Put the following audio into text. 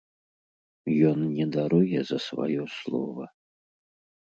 Ён не даруе за сваё слова.